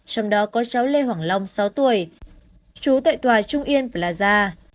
trong đó có cháu lê hoàng long sáu tuổi chú tại tòa trung yên plaza